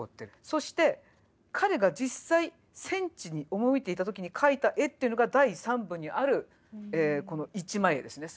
そして彼が実際戦地に赴いていた時に描いた絵っていうのが第三部にあるこの一枚絵ですね